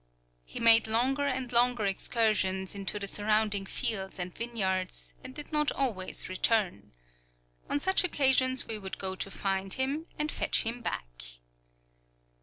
He made longer and longer excursions into the surrounding fields and vineyards, and did not always return. On such occasions we would go to find him and fetch him back.